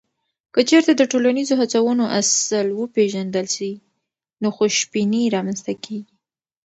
که چیرته د ټولنیزو هڅونو اصل وپېژندل سي، نو خوشبیني رامنځته کیږي.